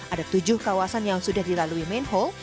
ada tujuh kawasan yang sudah dilalui manhole